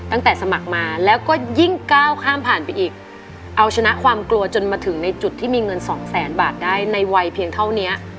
สมัครมาแล้วก็ยิ่งก้าวข้ามผ่านไปอีกเอาชนะความกลัวจนมาถึงในจุดที่มีเงินสองแสนบาทได้ในวัยเพียงเท่านี้